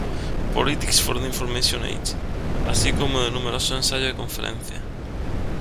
Politics for the Information Age", así como de numerosos ensayos y conferencias.